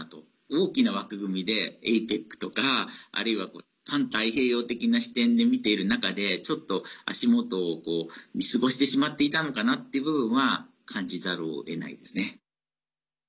大きな枠組みでＡＰＥＣとかあるいは環太平洋的な視点で見ている中でちょっと足元を見過ごしてしまっていたのかなという部分は感じざるをえないですね。